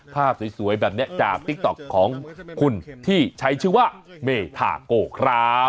ภาพสวยแบบนี้จากติ๊กต๊อกของคุณที่ใช้ชื่อว่าเมธาโกครับ